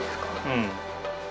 うん。